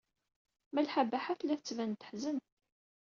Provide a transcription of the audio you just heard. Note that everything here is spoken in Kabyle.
Malḥa Baḥa tella tettban-d teḥzen.